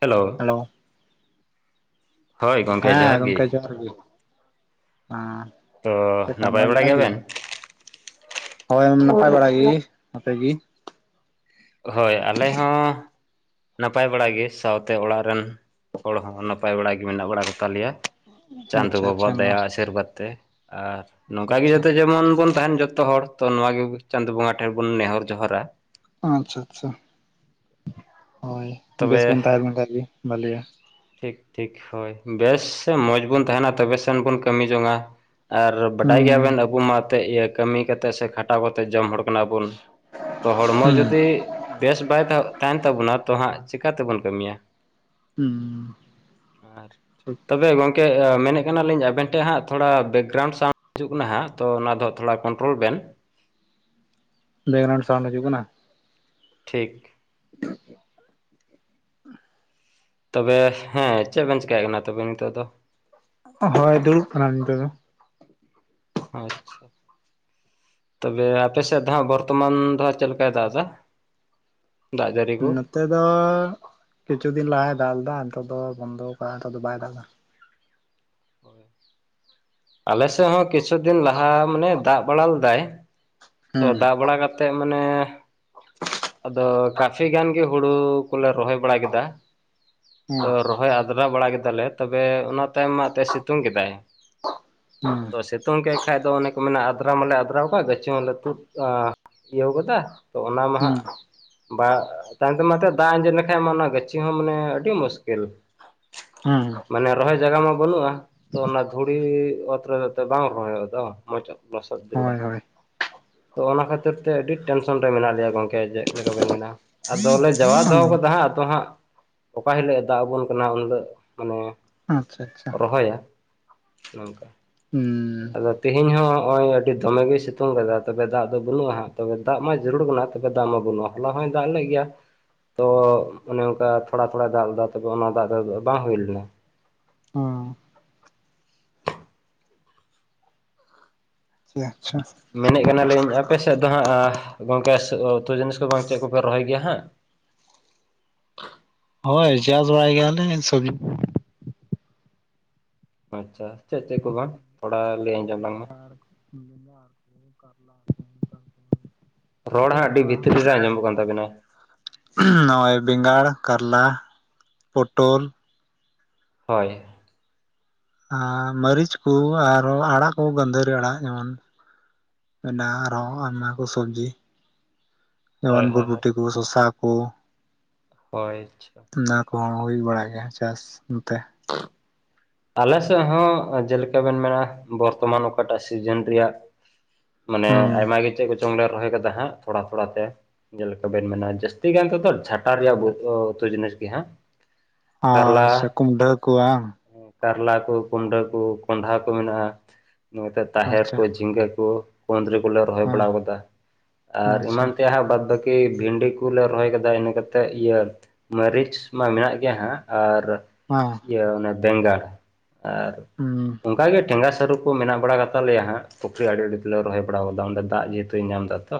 Hello. [inaudible] ᱦᱳᱭ ᱜᱚᱢᱠᱮ ᱦᱮᱸ ᱡᱚᱦᱟᱨ ᱜᱮ ᱜᱚᱝᱠᱮ ᱡᱚᱦᱟᱨ ᱜᱮ, ᱦᱮᱸ᱾ ᱛᱚ ᱪᱮᱫᱠᱟ ᱱᱟᱯᱟᱭ ᱢᱚᱸᱡᱽ ᱵᱟᱲᱟ ᱜᱮᱭᱟ ᱜᱮ? ᱵᱮᱱ? ᱦᱳᱭ ᱱᱟᱯᱟᱭ ᱵᱟᱲᱟ ᱜᱤ, ᱟᱯᱮ ᱜᱤ? ᱦᱳᱭ ᱟᱞᱮ ᱦᱚᱸ ᱱᱟᱯᱟᱭ ᱵᱟᱲᱟ ᱜᱮ ᱥᱟᱶᱛᱮ ᱚᱲᱟᱜ ᱨᱮᱱ ᱦᱚᱲ ᱦᱚᱸ ᱱᱟᱯᱟᱭ ᱵᱟᱲᱟ ᱜᱮ ᱢᱮᱱᱟᱜ ᱵᱟᱲᱟ ᱠᱚᱛᱟ ᱞᱮᱭᱟ᱾ ᱪᱟᱸᱫᱚ ᱟᱪᱪᱷᱟ ᱟᱪᱪᱷᱟ ᱵᱟᱵᱟᱣᱟᱜ ᱢᱟ ᱫᱟᱭᱟ ᱟᱥᱤᱨᱵᱟᱫᱽ ᱛᱮ ᱟᱨ ᱟᱪᱪᱷᱟ ᱱᱚᱝᱠᱟ ᱜᱮ ᱟᱪᱪᱷᱟ ᱡᱟᱛᱮ ᱡᱮᱢᱚᱱ ᱵᱚᱱ ᱛᱟᱦᱮᱱ ᱡᱚᱛᱚ ᱦᱚᱲ ᱛᱚ ᱱᱚᱣᱟ ᱜᱮ ᱪᱟᱸᱫᱚ ᱵᱚᱸᱜᱟ ᱴᱷᱮᱱ ᱵᱚᱱ ᱱᱮᱦᱚᱨ ᱡᱚᱸᱦᱟᱨᱟ᱾ ᱟᱪᱪᱷᱟ ᱟᱪᱪᱷᱟ ᱦᱳᱭ ᱛᱚᱵᱮ ᱵᱮᱥ ᱵᱚᱱ ᱛᱟᱦᱮᱸᱱ ᱢᱟ ᱚᱱᱠᱟ ᱜᱮ ᱵᱷᱟᱞᱮᱭᱟ᱾ ᱴᱷᱤᱠ ᱴᱷᱤᱠ ᱦᱳᱭ ᱵᱮᱥ ᱥᱮ ᱢᱚᱡᱽ ᱵᱚᱱ ᱛᱟᱦᱮᱱᱟ ᱛᱚᱵᱮ ᱥᱮᱱ ᱵᱚᱱ ᱠᱟᱹᱢᱤ ᱡᱚᱝᱟ᱾ ᱟᱨ ᱵᱟᱰᱟᱭ ᱜᱮᱭᱟ ᱦᱩᱸ ᱵᱮᱱ ᱟᱵᱚ ᱢᱟ ᱟᱛᱮᱫ ᱤᱭᱟᱹ ᱠᱟᱹᱢᱤ ᱠᱟᱛᱮ ᱥᱮ ᱠᱷᱟᱴᱟᱣ ᱠᱟᱛᱮ ᱡᱚᱢ ᱦᱚᱲ ᱠᱟᱱᱟ ᱵᱚᱱ ᱛᱚ ᱦᱚᱲᱢᱚ ᱦᱩᱸ ᱡᱩᱫᱤ ᱵᱮᱥ ᱵᱟᱭ ᱛᱟᱦ ᱛᱟᱦᱮᱱ ᱛᱟᱵᱚᱱᱟ ᱛᱚ ᱦᱟᱸᱜ ᱪᱤᱠᱟᱛᱮᱵᱚᱱ ᱠᱟᱹᱢᱤᱭᱟ? ᱦᱩᱸ᱾ ᱟᱨ ᱴᱷᱤᱠ ᱛᱚᱵᱮ ᱜᱚᱝ ᱠᱮ ᱢᱮᱱᱮᱫ ᱠᱟᱱᱟᱞᱤᱧ ᱟᱵᱮᱱ ᱴᱷᱮᱡ ᱦᱟᱸᱜ ᱛᱷᱚᱲᱟ ᱵᱮᱠᱜᱨᱟᱣᱩᱱᱰ ᱥᱟᱣᱩᱱᱰ ᱦᱤᱡᱩᱜ ᱠᱟᱱᱟ ᱦᱟᱸᱜ ᱛᱚ ᱚᱱᱟ ᱫᱚ ᱦᱟᱸᱜ ᱛᱷᱚᱲᱟ ᱠᱚᱱᱴᱨᱳᱞ ᱵᱮᱱ᱾ ᱵᱮᱠᱜᱨᱟᱣᱩᱱᱰ ᱥᱟᱣᱩᱱᱰ ᱦᱤᱡᱩᱜ ᱠᱟᱱᱟ? ᱴᱷᱤᱠ᱾ [inaudible] ᱛᱚᱵᱮ ᱦᱮᱸ ᱪᱮᱫ ᱵᱮᱱ ᱪᱮᱠᱟᱭᱮᱫ ᱠᱟᱱᱟ ᱛᱚᱵᱮ ᱱᱤᱛᱚᱜ ᱫᱚ? ᱦᱳᱭ ᱫᱩᱲᱩᱵ ᱠᱟᱱᱟ ᱞᱤᱧ ᱱᱤᱛᱚᱜ ᱫᱚ᱾ ᱟᱪᱪᱷᱟ᱾ ᱛᱚᱵᱮ ᱟᱯᱮ ᱥᱮᱫ ᱫᱚ ᱦᱟᱸᱜ ᱵᱚᱨᱛᱚᱢᱟᱱ ᱫᱚ ᱦᱟᱸᱜ ᱪᱮᱫ ᱞᱮᱠᱟᱭ ᱫᱟᱜ ᱮᱫᱟ? ᱫᱟᱜ ᱡᱟᱹᱲᱤ ᱠᱚ᱾ ᱱᱚᱛᱮᱫ ᱫᱚ ᱠᱤᱪᱷᱩ ᱫᱤᱱ ᱞᱟᱦᱟᱭ ᱫᱟᱜ ᱞᱮᱫᱟ ᱱᱤᱛᱚᱜ ᱫᱚ ᱵᱚᱱᱫᱚ ᱠᱟᱜ-ᱟ ᱱᱮᱛᱚᱜ ᱫᱚ ᱵᱚᱱᱠᱟᱜ-ᱟ ᱵᱟᱭ ᱫᱟᱜ ᱫᱟ᱾ ᱟᱞᱮ ᱥᱮᱜ ᱦᱚᱸ ᱠᱤᱪᱷᱩ ᱫᱤᱱ ᱞᱟᱦᱟ ᱢᱟᱱᱮ ᱫᱟᱜ ᱵᱟᱲᱟ ᱞᱮᱫᱟᱭ ᱛᱚ ᱦᱩᱸ ᱫᱟᱜ ᱵᱟᱲᱟ ᱠᱟᱛᱮᱫ ᱢᱟᱱᱮ ᱟᱫᱚ ᱠᱟᱯᱷᱤ ᱜᱟᱱ ᱜᱮ ᱦᱩᱲᱩ ᱠᱚᱞᱮ ᱨᱚᱦᱚᱭ ᱵᱟᱲᱟ ᱠᱮᱫᱟ ᱦᱩᱸ ᱛᱚ ᱨᱚᱦᱚᱭ ᱟᱫᱽᱨᱟ ᱵᱟᱲᱟ ᱠᱮᱫᱟᱞᱮ ᱛᱚᱵᱮ ᱚᱱᱟ ᱛᱟᱭᱚᱢ ᱢᱟ ᱮᱱᱛᱮ ᱥᱤᱛᱩᱝ ᱠᱮᱫᱟᱭ᱾ ᱦᱩᱸ ᱛᱚ ᱥᱤᱛᱩᱝ ᱠᱮᱜ ᱠᱷᱟᱡ ᱫᱚ ᱚᱱᱮ ᱠᱚ ᱢᱮᱱᱟ ᱟᱫᱽᱨᱟᱣ ᱢᱟᱞᱮ ᱟᱫᱽᱨᱟᱣ ᱠᱟᱜ ᱜᱟᱹᱪᱷᱤ ᱢᱟᱞᱮ ᱛᱩᱫ ᱟᱸ ᱤᱭᱟᱹᱣ ᱜᱚᱫᱟ ᱛᱚ ᱚᱱᱟ ᱢᱟ ᱦᱟᱸᱜ ᱦᱩᱸ ᱵᱟ ᱛᱟᱭᱚᱢ ᱛᱮ ᱢᱟᱛᱚ ᱫᱟᱜ ᱟᱸᱡᱮᱫ ᱞᱮᱠᱷᱟᱱᱡ ᱢᱟ ᱚᱱᱟ ᱜᱟᱹᱪᱷᱤ ᱦᱚᱸ ᱢᱟᱱᱮ ᱟᱹᱰᱤ ᱢᱩᱥᱠᱤᱞ ᱦᱩᱸ ᱢᱟᱱᱮ ᱨᱚᱦᱚᱭ ᱡᱟᱭᱜᱟ ᱢᱟ ᱵᱟᱹᱱᱩᱜᱼᱟ ᱛᱚ ᱚᱱᱟ ᱫᱷᱩᱲᱤ ᱚᱛ ᱨᱮ ᱫᱚ ᱛᱚ ᱵᱟᱝ ᱨᱚᱦᱚᱭᱚᱜ ᱫᱚ ᱢᱚᱡᱽ ᱥᱟᱸᱦᱤᱡ᱾ ᱞᱚᱥᱚᱫ ᱡᱟᱹᱨᱩᱲᱟ ᱦᱳᱭ ᱦᱳᱭ ᱛᱚ ᱚᱱᱟ ᱠᱷᱟᱹᱛᱤᱨ ᱛᱮ ᱟᱹᱰᱤ ᱴᱮᱱᱥᱚᱱ ᱨᱮ ᱢᱮᱱᱟᱜ ᱞᱮᱭᱟ ᱜᱚᱢᱠᱮ ᱡᱮ᱾ ᱪᱮᱫ ᱞᱮᱠᱟ ᱵᱮᱱ ᱢᱮᱱᱟ ᱟᱫᱚᱞᱮ ᱡᱟᱜᱟᱣ ᱫᱚᱦᱚ ᱠᱟᱫᱟᱭ ᱦᱟᱸᱜ, ᱟᱫᱚ ᱦᱟᱸᱜ ᱚᱠᱟ ᱦᱤᱞᱳᱜ ᱮ ᱫᱟᱜ ᱟᱵᱚᱱ ᱠᱟᱱᱟ ᱩᱱ ᱦᱤᱞᱳᱜ ᱢᱟᱱᱮ ᱟᱪᱪᱷᱟ ᱟᱪᱪᱷᱟ᱾ ᱨᱚᱦᱚᱭᱟ ᱱᱚᱝᱠᱟ᱾ ᱦᱩᱸ ᱟᱫᱚ ᱛᱮᱦᱮᱧ ᱦᱚᱸ ᱱᱚᱜᱼᱚᱭ ᱟᱹᱰᱤ ᱫᱚᱢᱮ ᱜᱮᱭ ᱥᱤᱛᱩᱝ ᱠᱟᱫᱟ, ᱛᱚᱵᱮ ᱫᱟᱜ ᱫᱚ ᱵᱟᱹᱱᱩᱜᱼᱟ ᱦᱟᱸᱜ ᱛᱚᱵᱮ ᱫᱟᱜ ᱢᱟ ᱡᱟᱹᱨᱩᱲ ᱠᱟᱱᱟ ᱾ ᱛᱚᱵᱮ ᱫᱟᱢ ᱢᱟ ᱵᱟᱹᱱᱩᱜᱼᱟ, ᱦᱚᱞᱟ ᱦᱚᱭ ᱫᱟᱜ ᱞᱮᱜ ᱜᱮᱭᱟ᱾ ᱛᱚ ᱚᱱᱮ ᱚᱱᱠᱟ ᱛᱷᱚᱲᱟ ᱛᱷᱚᱲᱟᱭ ᱫᱟᱜ ᱞᱮᱫᱟ ᱛᱚᱵᱮ ᱚᱱᱟ ᱫᱟᱜ ᱫᱚ ᱵᱟᱝ ᱦᱩᱭ ᱞᱮᱱᱟ ᱾ ᱚᱸ ᱜᱮᱭᱟ ᱟᱪᱪᱷᱟ ᱾ ᱢᱮᱱᱮᱫ ᱠᱟᱱᱟᱞᱤᱧ ᱟᱯᱮ ᱥᱮᱫ ᱫᱚ ᱦᱟᱸᱜ ᱜᱚᱢᱠᱮ ᱩᱛᱩ ᱡᱤᱱᱤᱥ ᱠᱚ ᱵᱟᱝ ᱪᱮᱫ ᱠᱚᱯᱮ ᱨᱚᱦᱚᱭ ᱜᱮᱭᱟ ᱦᱟᱸᱜ? ᱦᱳᱭ ᱪᱟᱥ ᱵᱟᱲᱟᱭ ᱜᱮᱭᱟᱞᱮ ᱥᱚᱵᱡᱤ ᱟᱪᱪᱷᱟ ᱪᱮᱫ ᱪᱮᱫ ᱠᱚ ᱵᱟᱝ ᱛᱷᱚᱲᱟ ᱞᱮ ᱵᱮᱝᱜᱟᱲ ᱵᱮᱝᱜᱟᱲ ᱠᱚ ᱠᱟᱞᱞᱟ ᱠᱚ [unintelligible] ᱨᱚᱲ ᱦᱟᱸᱜ ᱟᱹᱰᱤ ᱡᱮᱴᱟ ᱵᱷᱤᱛᱨᱤ ᱨᱮ ᱟᱸᱡᱚᱢᱚᱜ ᱠᱟᱱ ᱛᱟᱵᱤᱱᱟ ᱾ ᱱᱚᱜᱼᱚᱭ ᱵᱮᱸᱜᱟᱲ, ᱠᱟᱨᱞᱟ, ᱯᱚᱴᱚᱞ ᱦᱳᱭ᱾ ᱟᱨ ᱢᱟᱹᱨᱤᱪ ᱠᱩ ᱟᱨ ᱦᱚᱸ ᱟᱲᱟᱜ ᱠᱚ ᱜᱟᱹᱫᱷᱟᱹᱨᱤ ᱟᱲᱟᱜ ᱡᱮᱢᱚᱱ ᱢᱮᱱᱟᱜᱼᱟ ᱟᱨᱦᱚᱸ ᱟᱭᱢᱟ ᱠᱚ ᱥᱚᱵᱡᱤ᱾ ᱦᱳᱭ ᱡᱮᱢᱚᱱ ᱦᱳᱭ ᱵᱚᱨᱵᱩᱴᱤ ᱠᱚ ᱥᱚᱥᱟ ᱠᱚ᱾ ᱦᱳᱭ ᱟᱪᱪᱷᱟ᱾ ᱚᱱᱟ ᱠᱚᱦᱚᱸ ᱦᱩᱭ ᱵᱟᱲᱟᱜ ᱜᱮᱭᱟ ᱪᱟᱥ ᱱᱚᱛᱮ᱾ ᱟᱞᱮ ᱥᱮᱫ ᱦᱚᱸ ᱡᱮᱞᱮᱠᱟ ᱵᱮᱱ ᱢᱮᱱᱟ ᱵᱚᱨᱛᱚᱢᱟᱱ ᱚᱠᱟᱴᱟᱜ ᱥᱤᱡᱤᱱ ᱨᱮᱭᱟᱜ ᱢᱟᱱᱮ ᱦᱩᱸ ᱟᱭᱢᱟ ᱜᱮ ᱪᱮᱫ ᱠᱚᱪᱚᱝ ᱞᱮ ᱨᱚᱦᱚᱭ ᱠᱟᱫᱟ ᱦᱟᱸᱜ ᱛᱷᱚᱲᱟ ᱛᱷᱚᱲᱟ ᱛᱮ᱾ ᱡᱮᱞᱮᱠᱟ ᱵᱮᱱ ᱢᱮᱱᱟ ᱡᱟᱹᱥᱛᱤ ᱜᱟᱱ ᱛᱮᱫᱚ ᱡᱷᱟᱴᱟ ᱨᱮᱭᱟᱜ ᱩᱛᱩ ᱡᱤᱱᱤᱥ ᱜᱮ ᱦᱟᱸᱜ᱾ ᱟᱪᱪᱷᱟ ᱠᱟᱨᱞᱟ ᱠᱩᱢᱰᱷᱟᱹ ᱠᱚ ᱵᱟᱝ᱾ ᱠᱟᱨᱞᱟ ᱠᱚ ᱠᱩᱸᱱᱰᱷᱟᱹ ᱠᱚ ᱠᱚᱸᱰᱷᱟ ᱠᱚ ᱢᱮᱱᱟᱜᱼᱟ ᱱᱛᱮ ᱛᱟᱦᱮᱨ ᱟᱪᱪᱷᱟ ᱠᱚ ᱡᱷᱤᱸᱜᱟᱹ ᱠᱚ ᱠᱩᱱᱫᱨᱤ ᱠᱚᱞᱮ ᱨᱚᱦᱚᱭ ᱦᱮᱸ ᱵᱟᱲᱟᱣ ᱠᱟᱫᱟ᱾ ᱟᱨ ᱟᱪᱪᱷᱟ ᱮᱢᱟᱱ ᱛᱮᱭᱟᱜ ᱦᱚᱸ ᱵᱟᱫ ᱵᱟᱠᱤ ᱠᱤ ᱵᱷᱤᱱᱰᱤ ᱠᱚᱞᱮ ᱨᱚᱦᱚᱭ ᱟᱠᱟᱫᱟ ᱤᱱᱟᱹ ᱠᱟᱛᱮᱫ ᱤᱭᱟᱹ ᱢᱟᱹᱨᱤᱪ ᱢᱟ ᱢᱮᱱᱟᱜ ᱜᱮᱭᱟ ᱦᱟᱸᱜ, ᱟᱨ ᱚᱸ ᱤᱭᱟᱹ ᱚᱱᱮ ᱵᱮᱸᱜᱟᱲ ᱟᱨ ᱦᱩᱸ ᱚᱱᱠᱟ ᱜᱮ ᱴᱷᱮᱸᱜᱟ ᱥᱟᱹᱨᱩ᱾ ᱠᱚ ᱢᱮᱱᱟᱜ ᱵᱟᱲᱟ ᱜᱟᱛᱥ ᱞᱮᱭᱟ ᱦᱟᱸᱜ ᱯᱩᱠᱷᱨᱤ ᱟᱲᱤ ᱛᱮᱞᱮ ᱨᱚᱦᱚᱭ ᱵᱟᱲᱟᱣ ᱟᱠᱟᱫᱟ᱾ ᱚᱸᱰᱮ ᱫᱟᱜ ᱡᱮᱦᱮᱛᱩᱭ ᱧᱟᱢ ᱫᱟ ᱛᱚ᱾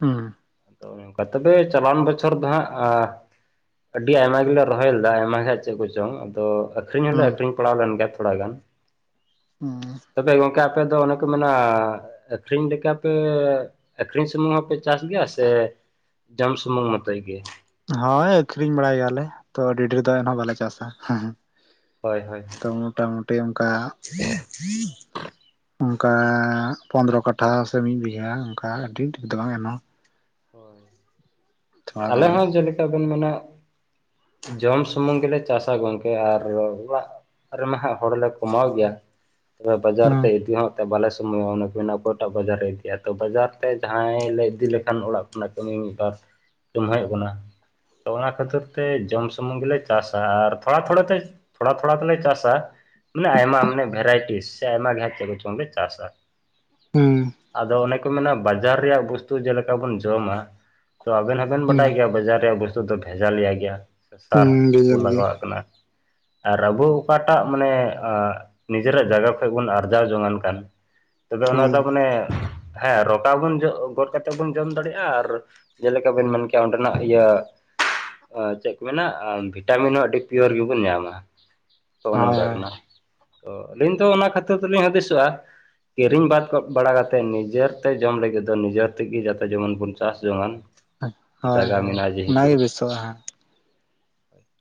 ᱦᱩᱸ᱾ ᱛᱚ ᱱᱚᱝᱠᱟ ᱛᱚᱵᱮ ᱪᱟᱞᱟᱣᱟᱱ ᱵᱚᱪᱷᱚᱨ ᱫᱚ ᱦᱟᱸᱜ ᱟ ᱟᱹᱰᱤ ᱟᱭᱢᱟ ᱜᱮᱞᱮ ᱨᱚᱦᱚᱭ ᱞᱮᱫᱟ ᱟᱭᱢᱟ ᱜᱮ ᱦᱟᱸᱜ ᱪᱮᱫ ᱠᱚᱪᱚᱝ ᱟᱫᱚ ᱟᱠᱷᱨᱤᱧ ᱦᱚᱸᱞᱮ ᱦᱩᱸ ᱟᱠᱷᱨᱤᱧ ᱯᱟᱲᱟᱣ ᱞᱮᱱ ᱜᱮᱟᱱ ᱛᱷᱚᱲᱟ ᱜᱟᱱ᱾ ᱦᱩᱸ᱾ ᱛᱚᱵᱮ ᱜᱚᱝᱠᱮ ᱟᱯᱮ ᱫᱚ ᱚᱱᱮ ᱠᱚ ᱢᱮᱱᱟ ᱟᱹᱠᱷᱨᱤᱧ ᱞᱮᱠᱟ ᱯᱮ ᱟᱹᱠᱷᱨᱤᱧ ᱥᱩᱢᱩᱝ ᱦᱚᱸᱯᱮ ᱪᱟᱥ ᱜᱮᱭᱟ ᱥᱮ ᱡᱚᱢ ᱥᱩᱢᱩᱝ ᱢᱚᱛᱚᱭ ᱜᱮ? ᱦᱳᱭ ᱟᱠᱷᱨᱤᱧ ᱵᱟᱲᱟᱭ ᱜᱮᱭᱟᱞᱮ᱾ ᱛᱚ ᱟᱹᱰᱤ ᱰᱷᱮᱨ ᱫᱚ ᱮᱱᱦᱚᱸ ᱵᱟᱞᱮ ᱪᱟᱥᱟ᱾ ᱦᱳᱭ ᱦᱳᱭ ᱛᱚ ᱢᱚᱴᱟᱢᱩᱴᱤ ᱚᱱᱠᱟ ᱚᱱᱠᱟ ᱯᱚᱸᱫᱽᱨᱚ ᱠᱟᱴᱷᱟ ᱥᱮ ᱢᱤᱫ ᱵᱤᱜᱷᱟ ᱚᱱᱠᱟ ᱟᱹᱰᱤ ᱴᱷᱤᱠ ᱫᱚ ᱵᱟᱝ ᱮᱱᱦᱚᱸ ᱦᱳᱭ᱾ ᱛᱷᱚᱲᱟ ᱜᱟᱱ ᱟᱞᱮ ᱦᱚᱸ ᱡᱮᱞᱮᱠᱟ ᱵᱮᱱ ᱢᱮᱱᱚᱜ ᱡᱚᱢ ᱥᱩᱢᱩᱝ ᱜᱮᱞᱮ ᱪᱟᱥᱟ ᱜᱚᱝᱠᱮ ᱟᱨ ᱚᱲᱟᱜ ᱨᱮᱢᱟ ᱦᱟᱸᱜ ᱦᱚᱲᱞᱮ ᱠᱚᱢᱟᱣ ᱜᱮᱭᱟ ᱛᱚᱵᱮ ᱵᱟᱡᱟᱨ ᱦᱩᱸ ᱛᱮ ᱤᱫᱤ ᱦᱚᱸ ᱵᱟᱞᱮ ᱥᱚᱢᱚᱭᱚᱜ-ᱟ ᱚᱱᱟ ᱠᱤᱱᱟ ᱚᱠᱚᱭᱴᱟᱜ ᱵᱟᱡᱟᱨ ᱨᱮ ᱤᱫᱤᱭᱟ ᱛᱚ ᱵᱟᱡᱟᱨ ᱛᱮ ᱡᱟᱦᱟᱸᱭ ᱞᱮ ᱤᱫᱤ ᱞᱮᱠᱷᱟᱱ ᱚᱲᱟᱜ ᱚᱱᱚ ᱠᱟᱹᱢᱤ ᱢᱤᱫ ᱵᱟᱨ ᱡᱟᱹᱢᱦᱟᱹᱭᱚᱜ ᱠᱟᱱᱟ᱾ ᱛᱚ ᱚᱱᱟ ᱠᱷᱟᱹᱛᱤᱨ ᱛᱮ ᱡᱚᱢ ᱥᱩᱢᱩᱝ ᱜᱮᱞᱮ ᱪᱟᱥᱟ ᱟᱨ ᱛᱷᱚᱲᱟ ᱛᱷᱚᱲᱟ ᱛᱮ ᱛᱷᱳᱚᱲᱟ ᱛᱷᱚᱲᱟ ᱛᱮᱞᱮ ᱪᱟᱥᱟ᱾ ᱢᱟᱱᱮ ᱟᱭᱢᱟ ᱢᱟᱱᱮ ᱵᱷᱮᱨᱟᱭᱴᱤ ᱥᱮ ᱟᱭᱢᱟ ᱜᱮ ᱦᱟᱸᱜ ᱪᱮᱜ ᱠᱚᱪᱚᱝ ᱞᱮ ᱪᱟᱥᱟ᱾ ᱦᱩᱸ᱾ ᱟᱫᱚ ᱚᱱᱮ ᱠᱚ ᱢᱮᱱᱟ ᱵᱟᱡᱟᱨ ᱨᱮᱭᱟᱜ ᱵᱚᱥᱛᱩ ᱡᱮᱞᱮᱠᱟ ᱵᱚᱱ ᱡᱚᱢᱟ ᱛᱚ ᱟᱵᱮᱱ ᱦᱚᱸ ᱵᱮᱱ ᱦᱩᱸ ᱵᱟᱰᱟᱭ ᱜᱮᱭᱟ ᱵᱟᱡᱟᱨ ᱨᱮᱭᱟᱜ ᱵᱚᱥᱛᱩ ᱫᱚ ᱵᱷᱮᱡᱟᱞᱤᱭᱟ ᱜᱮᱭᱟ ᱥᱮ ᱥᱟᱨ ᱦᱩᱸ ᱠᱚ ᱰᱤᱡᱮᱞ ᱜᱮ ᱞᱟᱜᱟᱣᱟᱜ ᱠᱟᱱᱟ᱾ ᱟᱨ ᱟᱵᱚ ᱚᱠᱟᱴᱟᱜ ᱢᱟᱱᱮ ᱟᱜ ᱱᱤᱡᱮᱨᱟᱜ ᱡᱟᱭᱜᱟ ᱠᱷᱚᱡ ᱵᱚᱱ ᱟᱨᱡᱟᱣ ᱡᱚᱝᱟᱱ ᱠᱟᱱ᱾ ᱛᱚᱵᱮ ᱚᱱᱟ ᱦᱳᱭ ᱫᱚ ᱢᱟᱱᱮ ᱦᱮᱸ ᱨᱚᱠᱟ ᱵᱚᱱ ᱡᱚᱜ ᱜᱚᱫ ᱠᱟᱛᱮᱜ ᱵᱚᱱ ᱡᱚᱢ ᱫᱟᱲᱮᱭᱟᱜ ᱟᱨ ᱡᱮᱞᱮᱠᱟ ᱵᱮᱱ ᱢᱮᱱ ᱠᱮᱭᱟ ᱚᱸᱰᱮᱱᱟᱜ ᱤᱭᱟᱹ ᱟ ᱪᱮᱫ ᱠᱚ ᱢᱮᱱᱟ ᱟ ᱵᱷᱤᱴᱟᱢᱤᱱ ᱦᱚᱸ ᱟᱹᱰᱤ ᱯᱤᱭᱳᱨ ᱜᱮᱵᱤᱱ ᱧᱟᱢᱟ᱾ ᱛᱚ ᱚᱱᱮ ᱦᱳᱭ ᱚᱱᱠᱟ ᱦᱳᱭ ᱠᱟᱱᱟ᱾ ᱛᱚ ᱟᱹᱞᱤᱧ ᱫᱚ ᱚᱱᱟ ᱠᱷᱟᱹᱛᱤᱨ ᱛᱮᱞᱤᱧ ᱦᱩᱫᱤᱥᱚᱜᱼᱟ ᱠᱤᱨᱤᱧ ᱵᱟᱫ ᱠᱚ ᱵᱟᱲᱟ ᱠᱟᱛᱮ ᱱᱤᱡᱮᱨᱛᱮ ᱡᱚᱢ ᱞᱟᱹᱜᱤᱫ ᱫᱚ ᱱᱤᱡᱮᱨ ᱛᱮᱜᱮ ᱡᱟᱛᱮ ᱡᱮᱢᱚᱱ ᱵᱚᱱ ᱪᱟᱥ ᱡᱚᱝᱟᱱ᱾ ᱦᱳᱭ ᱦᱳᱭ ᱡᱟᱭᱜᱟ ᱢᱮᱱᱟᱜᱼᱟ ᱡᱮᱦᱮᱛᱩ ᱚᱱᱟᱜᱮ ᱵᱮᱥᱚᱜᱼᱟ ᱦᱟᱸ᱾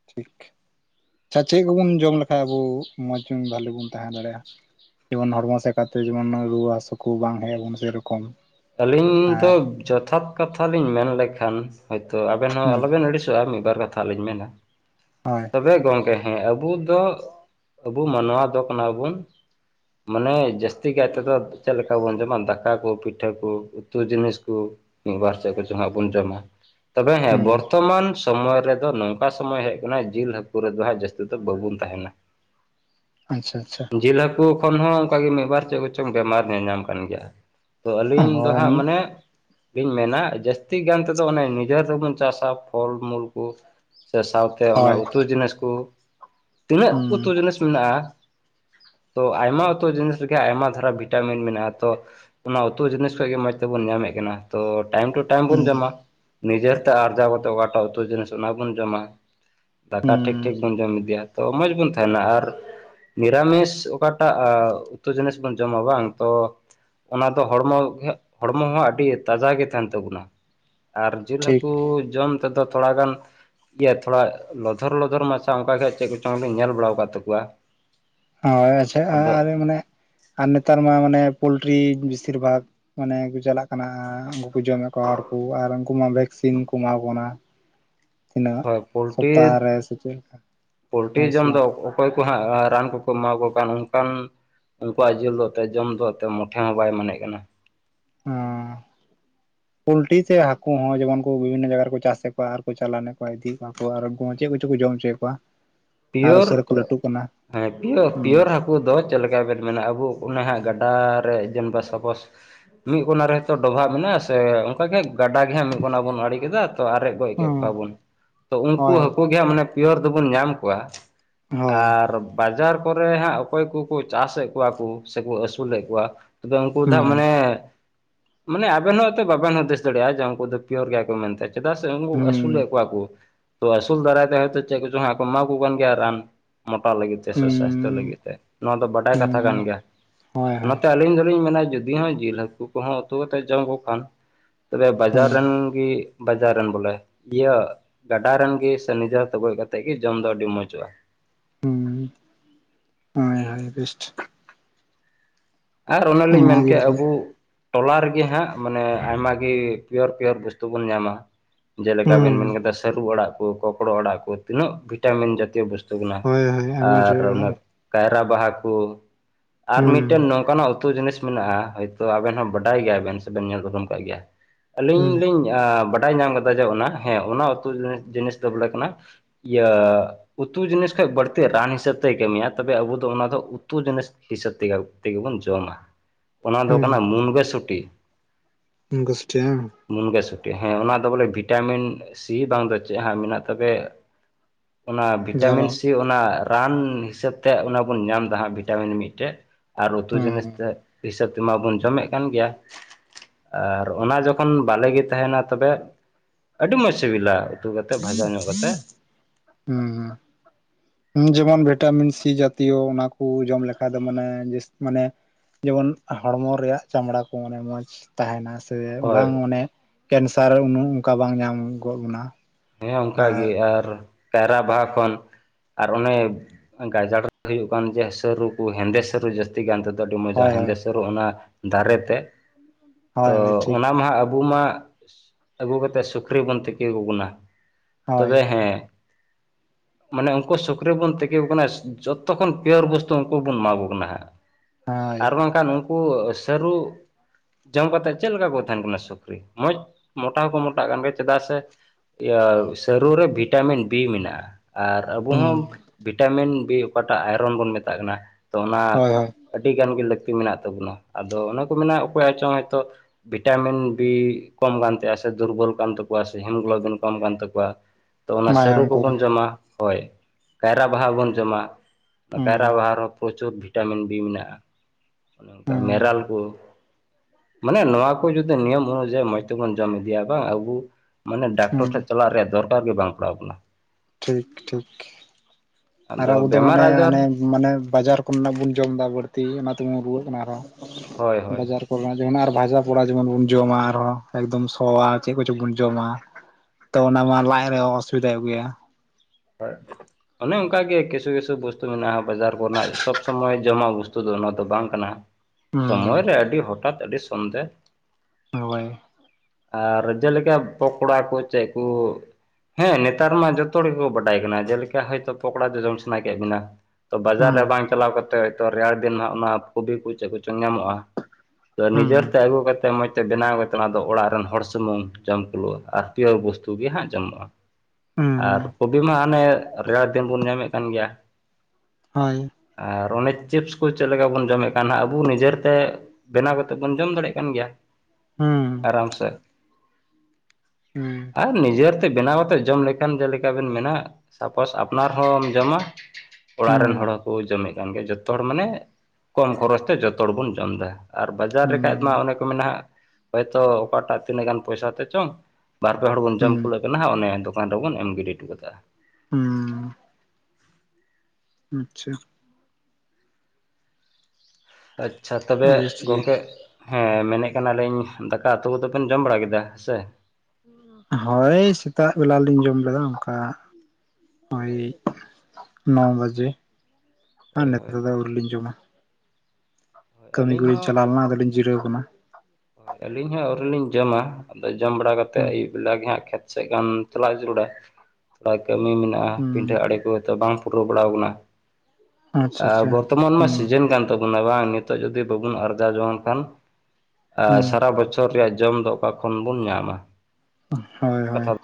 ᱴᱷᱤᱠ᱾ ᱟᱪᱪᱷᱟ ᱪᱮᱫ ᱠᱚᱵᱚᱱ ᱡᱚᱢ ᱞᱮᱠᱷᱟᱡ ᱟᱵᱚ ᱢᱚᱸᱡᱽ ᱵᱷᱟᱞᱤ ᱵᱚᱱ ᱛᱟᱦᱮᱸ ᱫᱟᱲᱮᱜ-ᱟ᱾ ᱡᱮᱢᱚᱱ ᱦᱚᱲᱢᱚ ᱥᱮᱠᱟᱛᱮ ᱡᱮᱢᱚᱱ ᱱᱩᱭ ᱨᱩᱣᱟᱹ ᱦᱟᱹᱥᱩ ᱠᱚ ᱵᱟᱝ ᱦᱮᱡ ᱟᱵᱚᱱ ᱥᱮᱨᱚᱠᱚᱢ᱾ ᱟᱹᱞᱤᱧ ᱫᱚ ᱟᱨ ᱡᱚᱛᱷᱟᱛ ᱠᱟᱛᱷᱟᱞᱤᱧ ᱢᱮᱱ ᱞᱮᱠᱷᱟᱱ ᱦᱚᱳᱭᱛᱳ ᱟᱵᱮᱱ ᱦᱚᱸ ᱦᱩᱸ ᱟᱞᱚᱵᱮᱱ ᱟᱹᱰᱤᱥ ᱥᱚᱜ-ᱟ ᱢᱤᱫ-ᱵᱟᱨ ᱠᱟᱛᱷᱟ ᱞᱤᱧ ᱢᱮᱱᱟ᱾ ᱦᱳᱭ᱾ ᱛᱚᱵᱮ ᱜᱚᱢᱠᱮ ᱦᱮᱸ ᱟᱵᱚ ᱫᱚ ᱟᱵᱚ ᱢᱟᱱᱣᱟ ᱫᱚ ᱠᱟᱱᱟ ᱵᱚᱱ ᱢᱟᱱᱮ ᱡᱟᱹᱥᱛᱤ ᱠᱟᱭ ᱛᱮᱫᱚ ᱪᱮᱫ ᱞᱮᱠᱟ ᱵᱚᱱ ᱡᱚᱢᱟ ᱫᱟᱠᱟ ᱠᱚ ᱯᱤᱴᱷ ᱴᱷᱟᱹ ᱠᱚ, ᱩᱛᱩ ᱡᱤᱱᱤᱥ ᱠᱚ ᱢᱤᱫ ᱵᱟᱨ ᱡᱤᱱᱤᱥ ᱪᱮᱫ ᱠᱚᱪᱚᱝ ᱦᱟᱸᱜ ᱵᱚᱱ ᱡᱚᱢᱟ᱾ ᱛᱚᱵᱮ ᱦᱮᱸ ᱦᱩᱸ ᱵᱚᱨᱛᱚᱢᱟᱱ ᱥᱚᱢᱚᱭ ᱨᱮᱫᱚ ᱱᱚᱝᱠᱟ ᱥᱚᱢᱚᱭ ᱦᱮᱡ ᱟᱠᱟᱱᱟ ᱡᱤᱞ ᱦᱟᱹᱠᱩ ᱨᱮᱫᱚ ᱦᱟᱸᱜ ᱡᱟᱹᱥᱛᱤ ᱫᱚ ᱵᱟᱵᱚᱱ ᱛᱟᱦᱮᱱᱟ᱾ ᱟᱪᱪᱷᱟ ᱟᱪᱪᱷᱟ᱾ ᱡᱤᱞ ᱦᱟᱹᱠᱩ ᱠᱷᱚᱱ ᱦᱚᱸ ᱚᱱᱠᱟᱜᱮ ᱢᱤᱫ ᱵᱟᱨ ᱪᱮᱫ ᱠᱚᱪᱚᱝ ᱵᱮᱢᱟᱨ ᱧᱟᱧᱟᱢ ᱠᱟᱱ ᱜᱮᱭᱟ᱾ ᱛᱚ ᱟᱹᱞᱤᱧ ᱫᱚ ᱦᱟᱸᱜ ᱦᱳᱭ ᱢᱟᱱᱮ ᱫᱩᱞᱤᱧ ᱢᱮᱱᱟ ᱡᱟᱹᱥᱛᱤ ᱜᱟᱱ ᱛᱮᱫᱚ ᱚᱱᱮ ᱱᱤᱡᱮᱨ ᱛᱮᱵᱚᱱ ᱪᱟᱥᱟ ᱯᱷᱚᱞᱢᱩᱞ ᱠᱚ᱾ ᱥᱮ ᱥᱟᱶᱛᱮ ᱚᱱᱟ ᱦᱳᱭ ᱩᱛᱩ ᱡᱤᱱᱤᱥ ᱠᱚ᱾ ᱛᱤᱱᱟᱹᱜ ᱦᱩᱸ ᱩᱛᱩ ᱡᱤᱱᱤᱥ ᱢᱮᱱᱟᱜᱼᱟ᱾ ᱛᱚ ᱟᱭᱢᱟ ᱩᱛᱩ ᱡᱤᱱᱤᱥ ᱨᱮᱜᱮ ᱟᱭᱢᱟ ᱫᱷᱟᱨᱟ ᱵᱷᱤᱴᱟᱢᱤᱱ ᱢᱮᱱᱟᱜᱼᱟ ᱛᱚ ᱚᱱᱟ ᱩᱛᱩ ᱡᱤᱱᱤᱥ ᱠᱷᱚᱱ ᱜᱮ ᱢᱚᱸᱡᱽ ᱛᱮᱵᱚᱱ ᱧᱟᱢᱮᱫ ᱠᱟᱱᱟ ᱛᱚ ᱴᱟᱭᱤᱢ ᱴᱩ ᱴᱟᱭᱤᱢ ᱵᱚᱱ ᱦᱩᱸ ᱡᱚᱢᱟ ᱾ ᱱᱤᱡᱮᱨ ᱛᱮ ᱟᱨᱡᱟᱣ ᱠᱟᱛᱮ ᱚᱠᱟᱴᱟᱜ ᱩᱛᱩ ᱡᱤᱱᱤᱥ ᱚᱱᱟ ᱵᱚᱱ ᱡᱚᱢᱟ ᱫᱟᱠᱟ ᱴᱷᱤᱠ ᱦᱩᱸ ᱴᱷᱤᱠ ᱵᱚᱱ ᱡᱚᱢ ᱤᱫᱤᱭᱟ ᱾ ᱛᱚ ᱢᱚᱡᱽ ᱵᱚᱱ ᱛᱟᱦᱮᱱᱟ ᱟᱨ ᱱᱤᱨᱟᱢᱤᱥ ᱚᱠᱟᱴᱟᱜ ᱩᱛᱩ ᱡᱤᱱᱤᱥ ᱵᱚᱱ ᱡᱚᱢᱟ ᱵᱟᱝ ᱛᱚ ᱚᱱᱟ ᱫᱚ ᱦᱚᱲᱢᱚ ᱦᱚᱲᱢᱚ ᱦᱚᱸ ᱟᱹᱰᱤ ᱛᱟᱡᱟ ᱜᱮ ᱛᱟᱦᱮᱱ ᱛᱟᱵᱚᱱᱟ ᱾ ᱟᱨ ᱡᱤᱞ ᱴᱷᱤᱠ ᱦᱟᱹᱠᱩ ᱡᱚᱢ ᱛᱮᱫᱚ ᱛᱷᱚᱲᱟᱜᱟᱱ ᱤᱭᱟᱹ ᱛᱷᱚᱲᱟ ᱞᱚᱫᱷᱚᱨ ᱞᱚᱫᱷᱚᱨ ᱢᱟᱪᱷᱟ ᱚᱱᱠᱟ ᱜᱮ ᱪᱮᱫ ᱠᱚᱪᱚᱝ ᱞᱤᱧ ᱧᱮᱞ ᱵᱟᱲᱟ ᱟᱠᱟᱫ ᱛᱟᱠᱚᱣᱟ ᱾ ᱦᱳᱭ ᱟᱪᱪᱷᱟ ᱟᱨ ᱢᱟᱱᱮ ᱟᱨ ᱱᱮᱛᱟᱨ ᱢᱟ ᱢᱟᱱᱮ ᱯᱳᱞᱴᱨᱤ ᱵᱮᱥᱤᱨ ᱵᱷᱟᱜ ᱾ ᱢᱟᱱᱮ ᱠᱚ ᱪᱟᱞᱟᱜ ᱠᱟᱱᱟ ᱩᱱᱠᱩ ᱠᱚ ᱡᱚᱢᱮᱫ ᱠᱚᱣᱟ ᱦᱚᱲᱠᱩ ᱟᱨ ᱩᱱᱠᱩᱢᱟ ᱵᱷᱮᱠᱥᱤᱱ ᱠᱚ ᱮᱢᱟ ᱠᱚ ᱠᱟᱱᱟ ᱾ [inaudible] ᱦᱳᱭ ᱯᱳᱞᱴᱤ ᱞᱮᱠᱟ ᱯᱳᱞᱴᱤ ᱦᱳᱭ ᱥᱮ ᱡᱚᱢ ᱫᱚ ᱵᱟᱝ ᱚᱠᱚᱭ ᱠᱚ ᱦᱟᱸᱜ ᱨᱟᱱ ᱠᱚᱠᱚ ᱮᱢᱟ ᱠᱚ ᱠᱟᱱ ᱚᱱᱠᱟᱱ ᱩᱱᱠᱩᱣᱟᱜ ᱡᱤᱞ ᱫᱚ ᱛᱮ ᱡᱚᱢ ᱫᱚ ᱛᱮ ᱢᱚᱴᱷᱮ ᱦᱚᱸ ᱵᱟᱭ ᱢᱚᱱᱮᱜ ᱠᱟᱱᱟ ᱾ ᱦᱚᱸ ᱯᱚᱞᱴᱤ ᱥᱮ ᱦᱟᱹᱠᱩ ᱦᱚᱸ ᱡᱮᱢᱚᱱ ᱠᱚ ᱵᱤᱵᱷᱤᱱᱚ ᱡᱟᱭᱜᱟ ᱨᱮᱠᱚ ᱪᱟᱥᱮᱫ ᱠᱚᱣᱟ ᱟᱨ ᱪᱟᱞᱟᱱ ᱮᱫ ᱠᱚᱣᱟ ᱤᱫᱤ ᱠᱚᱣᱟ ᱠᱚ ᱟᱨ ᱪᱮᱫ ᱠᱚᱪᱚ ᱠᱚ ᱡᱚᱢ ᱦᱚᱪᱚᱭᱮᱫ ᱠᱚᱣᱟ ᱠᱚ ᱾ ᱟᱨ ᱯᱤᱭᱳᱨ ᱩᱥᱟᱹᱨᱟ ᱦᱮᱸ ᱯᱤᱭᱳᱨ ᱦᱩᱸ ᱯᱤᱭᱚᱨ ᱦᱟ ᱦᱟᱹᱠᱩ ᱫᱚ ᱪᱮᱫ ᱞᱮᱠᱟᱵᱮᱱ ᱢᱮᱱᱟ ᱟᱵᱚ ᱚᱱᱟ ᱦᱟᱸᱜ ᱜᱟᱰᱟ ᱨᱮ ᱡᱟᱦᱟᱸ ᱥᱟᱯᱚᱥ ᱢᱤᱫ ᱠᱚᱱᱟ ᱨᱮᱛᱚ ᱰᱚᱵᱷᱟᱜ ᱢᱮᱱᱟᱜᱼᱟ ᱥᱮ ᱚᱱᱠᱟ ᱜᱮ ᱜᱟᱰᱟ ᱜᱮ ᱦᱟᱸᱜ ᱢᱤᱫ ᱠᱚᱱᱟ ᱵᱚᱱ ᱟᱲᱮ ᱠᱮᱫᱟ ᱛᱚ ᱟᱨᱮᱡ ᱜᱚᱡ ᱠᱮᱫ ᱦᱩᱸ ᱠᱚᱣᱟ ᱵᱚᱱ ᱛᱚ ᱩᱱᱠᱩ ᱦᱳᱭ ᱦᱳᱭ ᱦᱟᱹᱠᱩ ᱜᱮ ᱦᱟᱸᱜ ᱢᱟᱱᱮ ᱯᱤᱭᱳᱨ ᱫᱚᱵᱚᱱ ᱧᱟᱢ ᱠᱚᱣᱟ ᱾ ᱦᱳᱭ ᱟᱨ ᱵᱟᱡᱟᱨ ᱠᱚᱨᱮ ᱦᱟᱸᱜ ᱚᱠᱚᱭ ᱠᱚᱠᱚ ᱪᱟᱥᱮᱫ ᱠᱚᱣᱟ ᱠᱚ ᱥᱮᱠᱚ ᱟᱹᱥᱩᱞᱮᱫ ᱠᱚᱣᱟ ᱛᱚᱵᱮ ᱩᱱᱠᱩ ᱫᱚ ᱦᱟᱸᱜ ᱦᱩᱸ ᱢᱟᱱᱮ ᱢᱟᱱᱮ ᱟᱵᱮᱱ ᱦᱚᱸ ᱦᱳᱭᱛᱚ ᱵᱟᱵᱮᱱ ᱦᱩᱫᱮᱥ ᱫᱟᱲᱮᱭᱟᱜᱼᱟ ᱡᱟᱦᱟᱸ ᱩᱱᱠᱩ ᱫᱚ ᱯᱤᱭᱚᱨ ᱜᱮᱭᱟ ᱠᱚ ᱢᱮᱱᱛᱮ ᱾ ᱪᱮᱫᱟᱜ ᱥᱮ ᱩᱱᱠᱩ ᱦᱩᱸ ᱟᱹᱥᱩᱞᱮᱫ ᱠᱚᱣᱟ ᱠᱚ ᱛᱚ ᱟᱹᱥᱩᱞ ᱫᱟᱨᱟᱭ ᱛᱮ ᱦᱚᱭᱛᱳ ᱪᱮᱫ ᱠᱚᱝ ᱦᱟᱸᱜ ᱠᱚ ᱮᱢᱟ ᱠᱚ ᱠᱟᱱ ᱜᱮᱭᱟ ᱨᱟᱱ ᱾ ᱢᱚᱴᱟᱜ ᱞᱟᱹᱜᱤᱫ ᱛᱮ ᱥᱮ ᱥᱟᱥᱛᱷᱚ ᱦᱩᱸ ᱞᱟᱹᱜᱤᱫ ᱛᱮ ᱱᱚᱣᱟ ᱫᱚ ᱵᱟᱰᱟᱭ ᱠᱟᱛᱷᱟ ᱦᱩᱸ ᱠᱟᱱ ᱜᱮᱭᱟ ᱾ ᱦᱳᱭ ᱦᱳᱭ ᱚᱱᱟᱛᱮ ᱟᱹᱞᱤᱧ ᱫᱚᱞᱤᱧ ᱢᱮᱱᱟ ᱡᱩ ᱫᱩ ᱦᱚᱸ ᱡᱤᱞ ᱦᱟᱹᱠᱩ ᱠᱚᱦᱚᱸ ᱩᱛᱩ ᱠᱟᱛᱮᱫ ᱡᱚᱢ ᱠᱚ ᱠᱷᱟᱱ ᱛᱚᱵᱮ ᱵᱟᱡᱟᱨ ᱦᱩᱸ ᱨᱮᱱ ᱜᱮ ᱵᱟᱡᱟᱨ ᱨᱮᱱ ᱵᱚᱞᱮ ᱤᱭᱟᱹ ᱜᱟᱰᱟ ᱨᱮᱱ ᱜᱮ ᱥᱮ ᱱᱤᱡᱮᱨᱛᱮ ᱜᱚᱡ ᱠᱟᱛᱮᱜ ᱜᱮ ᱡᱚᱢ ᱫᱚ ᱟᱹᱰᱤ ᱢᱚᱸᱡᱚᱜᱼᱟ ᱾ ᱦᱳᱭ ᱦᱳᱭ ᱦᱳᱭ ᱵᱮᱥᱴ ᱾ ᱟᱨ ᱚᱱᱟ ᱞᱤᱧ ᱢᱮᱱ ᱚᱱᱟᱜᱮ ᱠᱮᱜ ᱵᱷᱟᱹᱞᱤᱭᱟ ᱟᱵᱩ ᱴᱚᱞᱟ ᱨᱮᱜᱮ ᱦᱟᱸᱜ ᱢᱟᱱᱮ ᱟᱭᱢᱟ ᱜᱮ ᱯᱤᱭᱳᱨ ᱯᱤᱭᱳᱨ ᱵᱚᱥᱥᱛᱩ ᱵᱚᱱ ᱧᱟᱢᱟ ᱾ ᱡᱮᱞᱮᱠᱟ ᱵᱮᱱ ᱢᱮᱱ ᱦᱩᱸ ᱟᱠᱟᱫᱟ ᱥᱟᱹᱨᱩ ᱟᱲᱟᱜ ᱠᱚ ᱠᱚᱠᱲᱚ ᱟᱲᱟᱜ ᱠᱚ ᱛᱤᱱᱟᱹᱜ ᱵᱷᱤᱴᱟᱢᱤᱱ ᱡᱟᱛᱤᱭᱚ ᱵᱚᱥᱛᱩ ᱦᱳᱭ ᱦᱳᱭ ᱾ ᱟᱭᱢᱟ ᱟᱨ ᱰᱷᱮᱨ ᱚᱱᱟ ᱠᱟᱭᱨᱟ ᱵᱟᱦᱟ ᱠᱚ ᱟᱨ ᱢᱤᱫᱴᱮᱱ ᱦᱩᱸ ᱱᱚᱝ ᱠᱟᱱᱟᱜ ᱩᱛᱩ ᱡᱤᱱᱤᱥ ᱢᱮᱱᱟᱜᱼᱟ ᱦᱚᱳᱭᱛᱳ ᱟᱵᱮᱱ ᱦᱚᱸ ᱵᱟᱰᱟᱭ ᱜᱮᱭᱟ ᱵᱮᱱ ᱥᱮᱵᱮᱱ ᱧᱮᱞ ᱩᱨᱩᱢ ᱠᱟᱜ ᱜᱮᱭᱟ ᱦᱩᱸ ᱟᱹᱞᱤᱧ ᱞᱤᱧ ᱵᱟᱰᱟᱭ ᱧᱟᱢ ᱠᱟᱫᱟ ᱡᱮ ᱚᱱᱟ ᱦᱮᱸ ᱚᱱᱟ ᱩᱛᱩ ᱡᱤᱱᱤᱥ ᱫᱚ ᱵᱚᱞᱮ ᱠᱟᱱᱟ ᱤᱭᱟᱹ ᱩᱛᱩ ᱡᱤᱱᱤᱥ ᱠᱷᱚᱡ ᱵᱟᱹᱲᱛᱤ ᱨᱟᱱ ᱦᱤᱥᱟᱹᱵ ᱛᱮᱭ ᱠᱟᱹᱢᱤᱭᱟ ᱛᱚᱵᱮ ᱟᱹᱵᱩ ᱫᱚ ᱚᱱᱟ ᱫᱚ ᱩᱛᱩ ᱡᱤᱱᱤᱥ ᱦᱤᱥᱟᱹᱵ ᱛᱮᱜᱮ ᱛᱮᱜᱮ ᱵᱚᱱ ᱡᱚᱢᱟ ᱚᱱᱟ ᱫᱚ ᱠᱟᱱᱟ ᱢᱩᱱᱜᱟᱹ ᱥᱩᱴᱤ ᱾ ᱢᱩᱱᱜᱟᱹ ᱥᱩᱴᱤ ᱵᱟᱝ ᱾ ᱢᱩᱱᱜᱟᱹ ᱥᱩᱴᱤ ᱦᱮᱸ ᱚᱱᱟ ᱫᱚ ᱵᱚᱞᱮ ᱵᱷᱤᱴᱟᱢᱤᱱ ᱥᱤ ᱵᱟᱝ ᱫᱚ ᱪᱮᱫ ᱦᱟᱸᱜ ᱢᱮᱱᱟᱜ ᱛᱚᱵᱮ ᱾ ᱚᱱᱟ ᱡᱟ ᱵᱷᱤᱴᱟᱢᱤᱱ ᱵᱟ ᱥᱤ ᱚᱱᱟ ᱨᱟᱱ ᱦᱤᱥᱟᱹᱵᱽ ᱛᱮ ᱚᱱᱟ ᱵᱚᱱ ᱧᱟᱢ ᱫᱟ ᱦᱟᱸᱜ ᱵᱷᱤᱴᱟᱢᱤᱱ ᱢᱤᱫᱴᱮᱡ ᱾ ᱟᱨ ᱩᱛᱩ ᱦᱩᱸ ᱡᱤᱱᱤᱥ ᱛᱮ ᱦᱤᱥᱟᱹᱵᱽ ᱛᱮᱢᱟᱵᱚᱱ ᱡᱚᱢᱮᱫ ᱠᱟᱱ ᱜᱮᱭᱟ ᱾ ᱟᱨ ᱚᱱᱟ ᱡᱚᱠᱷᱚᱱ ᱵᱟᱞᱮᱜᱮ ᱛᱟᱦᱮᱸᱱᱟ ᱛᱚᱵᱮ ᱟᱹᱰᱤ ᱢᱚᱸᱡᱽ ᱥᱤᱵᱤᱞᱟ ᱾ ᱩᱛᱩ ᱠᱟᱛᱮᱫ ᱵᱷᱟᱡᱟ ᱧᱚᱜ ᱠᱟᱛᱮᱫ ᱦᱩᱸ ᱾ ᱦᱩᱸ ᱡᱮᱢᱚᱱ ᱵᱷᱤᱴᱟᱢᱤᱱ ᱥᱤ ᱡᱟᱛᱤᱭᱚ ᱚᱱᱟ ᱠᱚ ᱡᱚᱢ ᱞᱮᱠᱷᱟᱱ ᱫᱚ ᱢᱟᱱᱮ ᱢᱟᱱᱮ ᱡᱮᱢᱚᱱ ᱦᱚᱲᱢᱚ ᱨᱮᱭᱟᱜ ᱪᱟᱢᱲᱟ ᱠᱚ ᱢᱟᱱᱮ ᱢᱚᱡᱽ ᱛᱟᱦᱮᱸᱱᱟ ᱥᱮ ᱵᱟᱝ ᱦᱳᱭ ᱚᱱᱮ, ᱠᱮᱱᱥᱟᱨ ᱩᱱᱟᱹᱜ ᱚᱱᱠᱟ ᱵᱟᱝ ᱧᱟᱢ ᱜᱚᱜ ᱵᱚᱱᱟ᱾ ᱦᱮᱸ ᱚᱱᱠᱟ ᱜᱮ ᱟᱨ ᱠᱟᱭᱨᱟ ᱵᱟᱦᱟ ᱠᱷᱚᱱ ᱟᱨ ᱚᱱᱮ ᱜᱟᱡᱟᱲ ᱨᱮ ᱦᱩᱭᱩᱜ ᱠᱟᱱ ᱡᱮ ᱥᱟᱹᱨᱩ ᱠᱚ ᱦᱮᱸᱫᱮ ᱥᱟᱹᱨᱩ ᱡᱟᱹᱥ ᱛᱤᱜ ᱠᱟᱱ ᱛᱮᱫᱚ ᱟᱹᱰᱤ ᱢᱚᱡᱟ ᱦᱳᱭ ᱦᱳᱭ ᱦᱮᱸᱫᱮ ᱥᱟᱹᱨᱩ ᱚᱱᱟ ᱫᱟᱨᱮ ᱛᱮ ᱦᱳᱭ ᱛᱚ ᱦᱳᱭ ᱴᱷᱤᱠ ᱚᱱᱟ ᱢᱟ ᱦᱟᱸᱜ ᱟᱵᱩ ᱢᱟ, ᱟᱹᱜᱩ ᱠᱟᱛᱮᱫ ᱥᱩᱠᱨᱤ ᱵᱚᱱ ᱛᱤᱠᱤ ᱟᱠᱚ ᱠᱟᱱᱟ᱾ ᱦᱳᱭ ᱛᱚᱵᱮ ᱦᱮᱸ ᱢᱟᱱᱮ ᱩᱝᱠᱩ ᱥᱩᱠᱨᱤ ᱵᱚᱱ ᱛᱮᱠᱮᱣᱟᱠᱚ ᱠᱟᱱᱟ ᱡᱚᱛᱚ ᱠᱷᱚᱱ ᱯᱤᱭᱳᱨ ᱵᱚᱥᱛᱩ ᱩᱝᱠᱩ ᱵᱚᱱ ᱮᱢᱟ ᱠᱚ ᱠᱟᱱᱟ ᱦᱟᱸᱜ᱾ [unintelligible] ᱟᱨ ᱵᱟᱝᱠᱷᱟᱱ ᱩᱝᱠᱩ ᱥᱟᱹᱨᱩ ᱡᱚᱢ ᱠᱟᱛᱮᱫ ᱪᱮᱫ ᱞᱮᱠᱟ ᱠᱚ ᱛᱟᱦᱮᱸᱱ ᱠᱟᱱᱟ ᱥᱩᱠᱨᱤ ᱢᱚᱡᱽ, ᱢᱚᱴᱟ ᱦᱚᱸ ᱠᱚ ᱢᱚᱴᱟᱜ ᱠᱟᱱ ᱜᱮᱭᱟ ᱪᱮᱫᱟᱜ ᱥᱮ ᱤᱭᱟᱹ ᱥᱟᱹᱨᱩ ᱨᱮ ᱵᱷᱤᱴᱟᱢᱤᱱ ᱵᱤ ᱢᱮᱱᱟᱜᱼᱟ ᱟᱨ ᱟᱵᱚ ᱦᱩᱸ ᱦᱚᱸ ᱵᱷᱤᱴᱟᱢᱤᱱ ᱵᱤ ᱚᱠᱟᱴᱟᱜ ᱟᱭᱨᱚᱱ ᱵᱚᱱ ᱢᱮᱛᱟᱜ ᱠᱟᱱᱟ ᱛᱚ ᱚᱱᱟ ᱦᱳᱭ ᱦᱳᱭ ᱟᱹᱰᱤ ᱜᱟᱱ ᱜᱮ ᱞᱟᱹᱠᱛᱤ ᱢᱮᱱᱟᱜ ᱛᱟᱵᱚᱱᱟ ᱟᱫᱚ ᱚᱱᱟ ᱠᱚ ᱢᱮᱱᱟ ᱚᱠᱚᱭᱟᱜ ᱪᱚᱝ ᱦᱚᱭᱛᱳ ᱵᱷᱤᱴᱟᱢᱤᱱ ᱵᱤ ᱠᱚᱢ ᱠᱟᱱ ᱛᱟᱭᱟ ᱥᱮ ᱫᱩᱨᱵᱚᱞ ᱠᱟᱱ ᱛᱟᱠᱚᱣᱟ ᱥᱮ ᱦᱤᱢᱜᱞᱳᱵᱤᱱ ᱠᱚᱢ ᱠᱟᱱ ᱛᱟᱠᱚᱣᱟ, ᱛᱚ ᱚᱱᱟ ᱥᱟᱹᱨᱩ ᱢᱟᱭᱟᱢ ᱠᱚ ᱠᱚᱵᱚᱱ ᱡᱚᱢᱟ ᱦᱳᱭ ᱠᱟᱭᱨᱟ ᱵᱟᱦᱟ ᱵᱚᱱ ᱡᱚᱢᱟ, ᱚᱱᱟ ᱦᱩᱸ ᱠᱟᱭᱨᱟ ᱵᱟᱦᱟ ᱨᱮᱦᱚᱸ ᱯᱨᱚᱪᱩᱨ ᱵᱷᱤᱴᱟᱢᱤᱱ ᱵᱤ ᱢᱮᱱᱟᱜᱼᱟ ᱚᱱᱮ ᱚᱝᱠᱟ ᱦᱩᱸ ᱢᱮᱨᱟᱞ ᱠᱚ, ᱢᱟᱱᱮ ᱱᱚᱣᱟ ᱠᱚ ᱡᱩᱫᱤ ᱱᱤᱭᱚᱢ ᱚᱱᱩᱡᱟᱭᱤ ᱢᱚᱸᱡᱽ ᱛᱮᱵᱚᱱ ᱡᱚᱢ ᱤᱫᱤᱭᱟ ᱵᱟᱝ ᱟᱵᱚ ᱢᱟᱱᱮ ᱰᱟᱠᱛᱚᱨ ᱦᱩᱸ ᱴᱷᱮᱡ ᱪᱟᱞᱟᱜ ᱨᱮᱭᱟᱜ ᱫᱚᱨᱠᱟᱨ ᱜᱮ ᱵᱟᱝ ᱯᱟᱲᱟᱣ ᱟᱵᱚᱱᱟ᱾ ᱴᱷᱤᱠ ᱴᱷᱤᱠ, ᱟᱨ ᱟᱫᱚ ᱟᱵᱚ ᱫᱚ ᱵᱮᱢᱟᱨ ᱢᱟᱱᱮ ᱟᱡᱟᱨ ᱚᱱᱮ ᱢᱟᱱᱮ ᱵᱟᱡᱟᱨ ᱠᱚ ᱨᱮᱱᱟᱜ ᱵᱚᱱ ᱡᱚᱢ ᱮᱫᱟ ᱵᱟᱹᱲᱛᱤ ᱚᱱᱟ ᱛᱮᱵᱚᱱ ᱨᱩᱣᱟᱹᱜ ᱠᱟᱱᱟ ᱟᱨᱦᱚᱸ, ᱦᱳᱭ ᱦᱳᱭ ᱵᱟᱡᱟᱨ ᱠᱚ ᱨᱮᱱᱟᱜ ᱟᱨ ᱵᱷᱟᱡᱟ ᱯᱚᱲᱟ ᱡᱮᱢᱚᱱ ᱵᱚᱱ ᱡᱚᱢᱟ ᱟᱨᱦᱚᱸ ᱮᱠᱫᱚᱢ ᱥᱚᱣᱟ ᱪᱮᱫ ᱠᱚᱪᱚᱝ ᱵᱚᱱ ᱡᱚᱢᱟ, ᱛᱚ ᱚᱱᱟ ᱢᱟ ᱞᱟᱡ ᱨᱮ ᱚᱥᱩᱵᱤᱫᱟᱭ ᱟᱜᱩᱭᱟ᱾ ᱦᱳᱭ᱾ ᱚᱱᱮ ᱚᱝᱠᱟ ᱜᱮ ᱠᱤᱪᱷᱩ ᱠᱤᱪᱷᱩ ᱵᱚᱥᱛᱩ ᱢᱮᱱᱟᱜ-ᱟ ᱵᱟᱡᱟᱨ ᱠᱚᱨ ᱮᱱᱟᱜ ᱥᱚᱵᱽ ᱥᱚᱢᱚᱭ ᱡᱚᱢᱟᱜ ᱵᱚᱥᱛᱩ ᱫᱚ ᱚᱱᱟ ᱫᱚ ᱵᱟᱝ ᱠᱟᱱᱟ ᱦᱟᱸᱜ᱾ ᱦᱩᱸ ᱥᱚᱢᱚᱭ ᱨᱮ ᱟᱹᱰᱤ ᱦᱚᱴᱟᱛ ᱟᱹᱰᱤ ᱥᱚᱱᱫᱮ ᱦᱳᱭ᱾ ᱟᱨ ᱡᱮᱞᱮᱠᱟ ᱯᱚᱠᱚᱲᱟ ᱠᱚ ᱪᱮᱫ ᱠᱚ, ᱦᱮᱸ ᱱᱮᱛᱟᱨ ᱢᱟ ᱡᱚᱛᱚ ᱦᱚᱲ ᱠᱚ ᱠᱚ ᱵᱟᱰᱟᱭ ᱠᱟᱱᱟ ᱡᱮᱞᱮᱠᱟ ᱦᱳᱭᱛᱳ ᱯᱚᱠᱚᱲᱟ ᱡᱚᱡᱚᱢ ᱥᱮᱱᱟ ᱠᱮᱫ ᱵᱤᱱᱟ, ᱛᱚ ᱵᱟᱡᱟᱨ ᱦᱩᱸ ᱨᱮ ᱵᱟᱝ ᱪᱟᱞᱟᱣ ᱠᱟᱛᱮ ᱦᱚᱭᱛᱳ ᱨᱮᱭᱟᱲ ᱫᱤᱱ ᱦᱟᱸᱜ ᱚᱱᱟ ᱠᱚᱵᱤ ᱠᱚ ᱪᱮᱫ ᱠᱚᱪᱚᱝ ᱧᱟᱢᱚᱜ-ᱟ, ᱛᱚ ᱦᱩᱸ ᱱᱤᱡᱮᱨ ᱦᱩᱸ ᱛᱮ ᱟᱹᱜᱩ ᱠᱟᱛᱮ ᱢᱚᱡᱽ ᱛᱮ ᱵᱮᱱᱟᱣ ᱠᱟᱛᱮ ᱚᱱᱟ ᱫᱚ ᱚᱲᱟᱜ ᱨᱮᱱ ᱦᱚᱲ ᱥᱩᱢᱩᱝ ᱡᱚᱢ ᱠᱩᱞᱩᱜ-ᱟ ᱟᱨ ᱯᱤᱭᱳᱨ ᱵᱚᱥᱛᱩ ᱜᱮ ᱦᱟᱸᱜ ᱡᱟᱢᱚᱜ-ᱟ᱾ ᱦᱩᱸ ᱟᱨ ᱠᱚᱵᱤ ᱢᱟ ᱦᱟᱱᱮ ᱨᱮᱭᱟᱲ ᱫᱤᱱ ᱵᱚᱱ ᱧᱟᱢᱮᱫ ᱠᱟᱱ ᱜᱮᱭᱟ᱾ ᱦᱳᱭ᱾ ᱟᱨ ᱚᱱᱮ ᱪᱤᱯᱥ ᱠᱚ ᱪᱮᱫ ᱞᱮᱠᱟ ᱵᱚᱱ ᱡᱚᱢᱮᱫ ᱠᱟᱱ ᱦᱟᱸᱜ ᱟᱵᱚ ᱱᱤᱡᱮᱨ ᱛᱮ ᱵᱮᱱᱟᱣ ᱠᱟᱛᱮᱫ ᱵᱚᱱ ᱡᱚᱢ ᱫᱟᱲᱮᱜ ᱠᱟᱱ ᱜᱮᱭᱟ ᱦᱩᱸ ᱟᱨᱟᱢ ᱥᱮ᱾ ᱦᱩᱸ ᱟᱨ ᱱᱤᱡᱮᱨ ᱛᱮ ᱵᱮᱱᱟᱣ ᱠᱟᱛᱮ ᱡᱚᱢ ᱞᱮᱠᱷᱟᱱ ᱡᱮᱞᱮ ᱪᱮᱠᱟ ᱵᱮᱱ ᱢᱮᱱᱟ ᱥᱟᱯᱳᱥ ᱟᱯᱱᱟᱨ ᱦᱚᱸᱢ ᱡᱚᱢᱟ, ᱚᱲᱟᱜ ᱨᱮᱱ ᱦᱚᱲ ᱦᱚᱸ ᱠᱚ ᱡᱚᱢᱮᱫ ᱠᱟᱱ ᱜᱮᱭᱟ ᱡᱚᱛᱚ ᱦᱚᱲ ᱢᱟᱱᱮ, ᱠᱚᱢ ᱠᱷᱚᱨᱚᱪ ᱛᱮ ᱡᱚᱛᱚ ᱦᱚᱲ ᱵᱚᱱ ᱡᱚᱢ ᱮᱫᱟ᱾ ᱟᱨ ᱵᱟᱡᱟᱨ ᱨᱮ ᱠᱷᱟᱡ ᱦᱩᱸ ᱢᱟ ᱚᱱᱮ ᱠᱚ ᱢᱮᱱᱟ ᱦᱟᱸᱜ ᱦᱚᱭᱛᱳ ᱚᱠᱟᱴᱟᱜ ᱛᱤᱱᱟᱹᱜ ᱜᱟᱱ ᱯᱚᱭᱥᱟ ᱛᱮ ᱪᱚᱝ ᱵᱟᱨ ᱯᱮ ᱦᱚᱲ ᱵᱚᱱ ᱡᱚᱢ ᱦᱩᱸ ᱠᱩᱞᱟᱹᱜ ᱠᱟᱱᱟ ᱦᱟᱸᱜ ᱚᱱᱮ ᱫᱚᱠᱟᱱ ᱨᱮᱵᱚᱱ ᱮᱢ ᱜᱤᱰᱤ ᱦᱚᱴᱚ ᱠᱟᱫᱟ᱾ ᱦᱩᱸᱻ᱾ ᱟᱪᱪᱷᱟ᱾ ᱟᱪᱪᱷᱟ ᱛᱚᱵᱮ ᱵᱮᱥ ᱜᱮ ᱜᱚᱝᱠᱮ ᱦᱮᱸ ᱢᱮᱱᱮᱫ ᱠᱟᱱᱟᱞᱤᱧ ᱫᱟᱠᱟ ᱩᱛᱩ ᱠᱚᱫᱚ ᱵᱮᱱ ᱡᱚᱢ ᱵᱟᱲᱟ ᱠᱮᱫᱟ ᱦᱮᱸ ᱥᱮ? ᱦᱳᱭ ᱥᱮᱛᱟᱜ ᱵᱮᱞᱟ ᱞᱤᱧ ᱡᱚᱢ ᱞᱮᱫᱟ ᱚᱱᱠᱟ, ᱦᱳᱭ ᱱᱚ ᱵᱟᱡᱮ ᱟᱨ ᱦᱳᱭ ᱦᱳᱭ ᱱᱮᱛᱟᱨ ᱫᱚ ᱟᱹᱣᱨᱤ ᱞᱤᱧ ᱡᱚᱢᱟ, ᱦᱳᱭ ᱠᱟᱹᱢᱤ ᱠᱚ ᱟᱹᱞᱤᱧ ᱤᱧ ᱦᱚᱸ ᱪᱟᱞᱟᱣ ᱞᱮᱱᱟ ᱟᱫᱚ ᱞᱤᱧ ᱡᱤᱨᱟᱹᱣ ᱠᱟᱱᱟ ᱾ ᱦᱳᱭ ᱟᱹᱞᱤᱧ ᱟᱹᱣᱨᱤ ᱞᱤᱧ ᱡᱚᱢᱟ ᱟᱫᱚ ᱡᱚᱢ ᱵᱟᱲᱟ ᱠᱟᱛᱮᱫ ᱦᱩᱸ ᱟᱹᱭᱩᱵ, ᱵᱮᱲᱟᱜᱮ ᱦᱟᱜ ᱠᱷᱮᱛ ᱥᱮᱱ ᱜᱟᱱ ᱪᱟᱞᱟᱣ ᱡᱟᱹᱨᱩᱲᱟ ᱛᱷᱚᱲᱟ ᱠᱟᱹᱢᱤ ᱢᱮᱱᱟᱜ-ᱟ ᱦᱩᱸ ᱯᱤᱰᱷᱟᱹ ᱟᱲᱮ ᱠᱚᱛᱚ ᱵᱟᱝ, ᱯᱩᱨᱟᱹᱣ ᱵᱟᱲᱟᱣ ᱟᱠᱟᱱᱟ ᱟᱪᱪᱷᱟ ᱟᱨ ᱟᱪᱪᱷᱟ ᱵᱚᱨᱛᱚᱢᱟᱱ ᱢᱟ ᱦᱩᱸ ᱥᱤᱡᱤᱱ ᱠᱟᱱ, ᱛᱟᱵᱚᱱᱟ ᱵᱟᱝ ᱱᱤᱛᱚᱜ ᱡᱩᱫᱤ ᱵᱟᱵᱚᱱ ᱟᱨᱡᱟᱣ ᱡᱚᱝᱟᱱ ᱠᱷᱟᱱ, ᱦᱩᱸ ᱥᱟᱨᱟ ᱵᱚᱪᱷᱚᱨ ᱨᱮᱭᱟᱜ ᱡᱚᱢ ᱫᱚ ᱚᱠᱟ ᱠᱷᱚᱱ ᱵᱚᱱ ᱧᱟᱢᱟ? ᱦᱳᱭ ᱠᱟᱛᱷᱟ ᱦᱳᱭ, ᱫᱚ